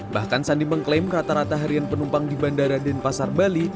bahkan sandi mengklaim rata rata harian penumpang di bandara denpasar bali